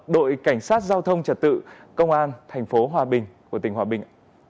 đội cảnh sát giao thông trật tự công an tp hòa bình của tỉnh hòa bình